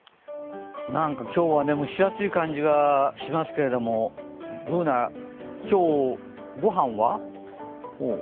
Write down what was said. なんか今日は蒸し暑い感じがしますけれども、Ｂｏｏｎａ、今日、御飯は？